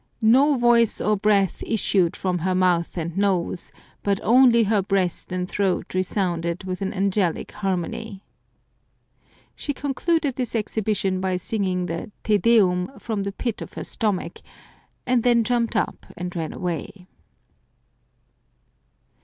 " No voice or breath issued from her mouth and nose, but only her breast and throat resounded with an angelic harmony." She concluded this exhibition by singing the " Te Deum " from the pit of her stomach, and then jumped up and ran away.